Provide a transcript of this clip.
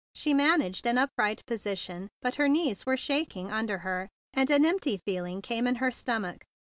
She man¬ aged an upright position; but her knees were shaking under her, and a gone feeling came* in her stomach.